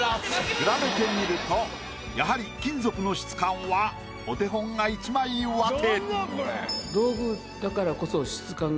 比べてみるとやはり金属の質感はお手本が一枚うわて。